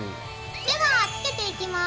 ではつけていきます。